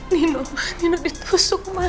nino nino ditusuk ma